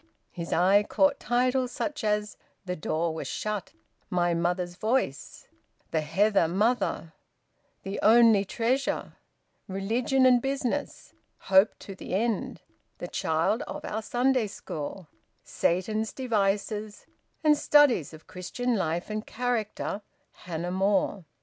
His eye caught titles such as: "The Door was Shut," "My Mother's Voice," "The Heather Mother," "The Only Treasure," "Religion and Business," "Hope to the End," "The Child of our Sunday School," "Satan's Devices," and "Studies of Christian Life and Character, Hannah More."